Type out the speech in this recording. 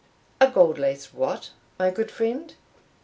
"A gold laced what, my good friend?"